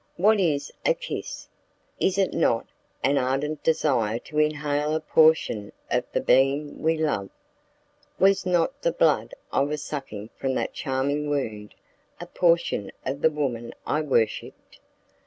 What is a kiss? Is it not an ardent desire to inhale a portion of the being we love? Was not the blood I was sucking from that charming wound a portion of the woman I worshipped?